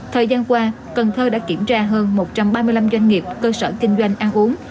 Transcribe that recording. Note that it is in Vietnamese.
thời gian qua cần thơ đã kiểm tra hơn một trăm ba mươi năm doanh nghiệp cơ sở kinh doanh ăn uống